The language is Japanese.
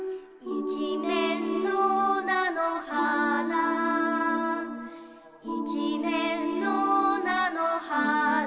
「いちめんのなのはな」「いちめんのなのはな」